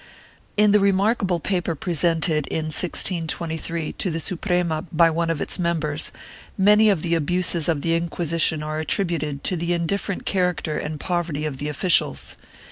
In the remarkable paper presented, in 1623, to the Suprema by one of its members, many of the abuses of the Inquisition are attributed to the indifferent character and poverty of the officials.